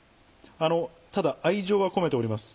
あのただ愛情は込めております。